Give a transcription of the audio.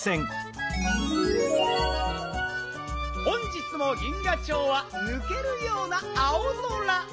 本日も銀河町はぬけるような青空。